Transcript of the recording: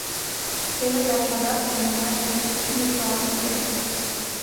Теве таче адак коммуна еш латшым йочалан кугеме.